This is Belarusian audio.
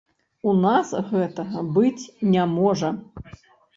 У нас гэтага быць не можа.